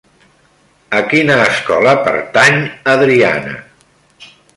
A quina escola pertany Adriana?